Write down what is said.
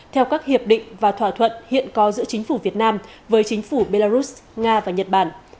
theo các hiệp định và thỏa thuận hiện có giữa chính phủ việt nam với chính phủ belarus nga và nhật bản